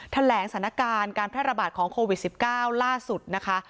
แถลงสถานการณ์การแพร่ระบาดของโควิด๑๙ล่าสุดนะคะ